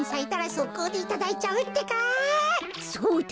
そうだ。